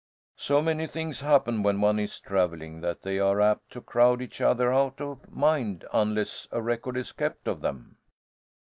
So many things happen when one is travelling, that they are apt to crowd each other out of mind unless a record is kept of them."